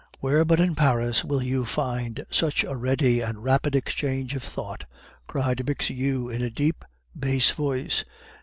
"Where but in Paris will you find such a ready and rapid exchange of thought?" cried Bixiou in a deep, bass voice.